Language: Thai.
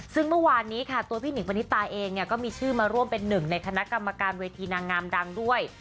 ซึ่งเมื่อวานนี้ค่ะตัวพี่หิงปณิตาเองเนี่ยก็มีชื่อมาร่วมเป็นหนึ่งในคณะกรรมการเวทีนางงามดังด้วย